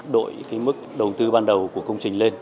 đội cái mức đầu tư ban đầu của công trình lên